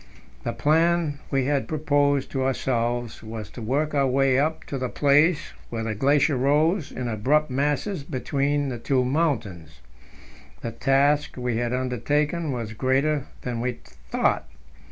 The plan we had proposed to ourselves was to work our way up to the place where the glacier rose in abrupt masses between the two mountains. The task we had undertaken was greater than we thought.